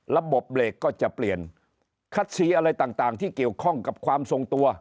ระบบเบรกก็จะเปลี่ยนคัดซีอะไรต่างที่เกี่ยวข้องกับความทรงตัว